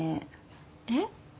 えっ？